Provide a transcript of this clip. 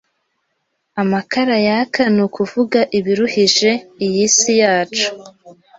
Amakara yaka ni ukuvuga ibiruhije i yi si yacu